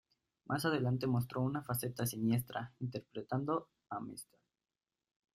Más adelante mostró una faceta siniestra interpretando a Mr.